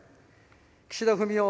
岸田文雄